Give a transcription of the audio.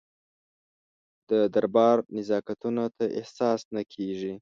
د دربار نزاکتونه ته احساس نه کېږي.